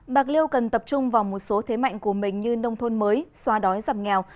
bạc liêu cần tập trung vào một số thế mạnh của mình như nông thôn mới xóa đói giảm nghèo